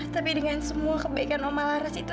tapi dengan semua kebaikan om alaras itu